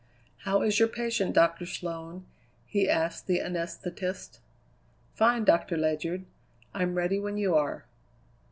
"How is your patient, Doctor Sloan?" he asked the anesthetist. "Fine, Doctor Ledyard. I'm ready when you are."